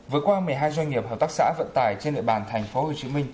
vừa qua một mươi hai doanh nghiệp hợp tác xã vận tải trên địa bàn tp hcm